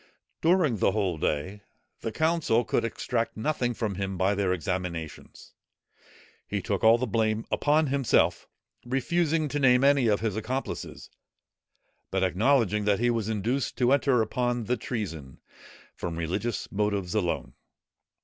During the whole day, the council could extract nothing from him by their examinations. He took all the blame upon himself, refusing to name any of his accomplices, but acknowledging that he was induced to enter upon the treason, from religious motives alone.